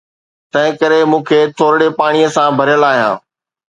تنهن ڪري، مون کي ٿورڙي پاڻيء سان ڀريل آهيان